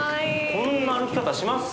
こんな歩き方します？